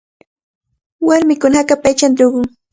Warmikuna hakapa aychanta ruqun.